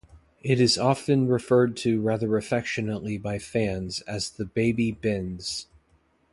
It is often referred to rather affectionately by fans as the 'Baby Benz'.